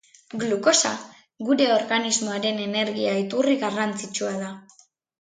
Glukosa gure organismoaren energia-iturri garrantzitsua da.